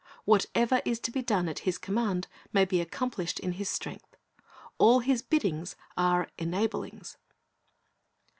Whatever is to be done at His command, may be accomplished in His strength. All His biddings are enablings.